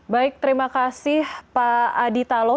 baik terima kasih pak adi talo